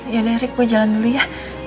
ya udah rick gue jalan dulu ya